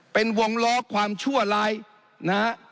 เป็นวงล้อความชั่วร้ายนะฮะ